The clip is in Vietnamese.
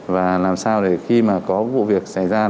và làm sao để khi mà có vụ việc xảy ra